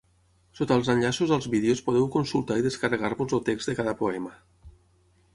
Sota els enllaços als vídeos podeu consultar i descarregar-vos el text de cada poema.